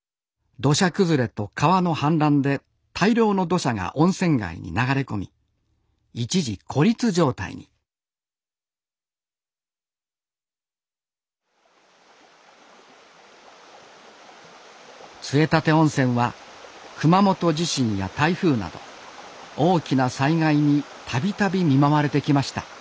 土砂崩れと川の氾濫で大量の土砂が温泉街に流れ込み一時孤立状態に杖立温泉は熊本地震や台風など大きな災害に度々見舞われてきました。